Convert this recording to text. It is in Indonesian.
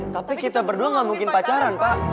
tapi kita berdua gak mungkin pacaran pak